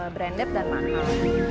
brand dept dan mahal